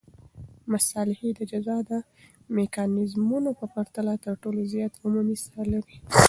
مصالحې د جزا د میکانیزمونو په پرتله تر ټولو زیات عمومي ساه لري.